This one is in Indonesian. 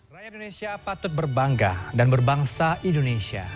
rakyat indonesia patut berbangga dan berbangsa indonesia